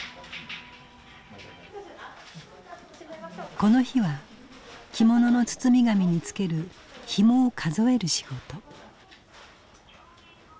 この日は着物の包み紙に付けるひもを数える仕事。